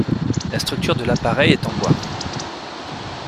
La structure de l’appareil est en bois.